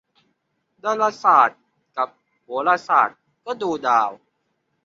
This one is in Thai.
ดาราศาสตร์กับโหราศาสตร์ก็ดูดาว